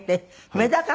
メダカ。